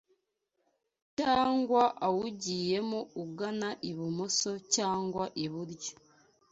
cyangwa awugiyemo ugana ibumoso cyangwa ibururyo